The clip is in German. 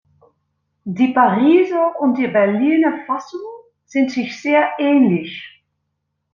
Die Pariser und die Berliner Fassung sind sich sehr ähnlich.